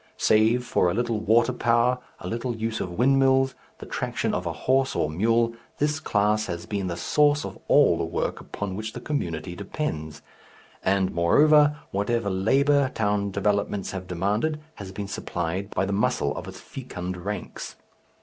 Save for a little water power, a little use of windmills, the traction of a horse or mule, this class has been the source of all the work upon which the community depends. And, moreover, whatever labour town developments have demanded has been supplied by the muscle of its fecund ranks.